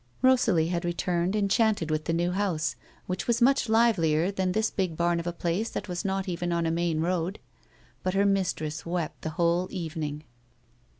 Eosalie had returned enchanted with the new house, " which was much livelier than this big barn of a place that was not even on a main road," but her mistress wept the whole evening.